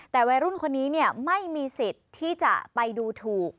แต่วัยรุ่นคนนี้ไม่มีสิทธิ์ที่จะไปดูถูก